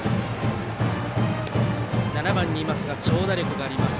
７番にいますが長打力があります。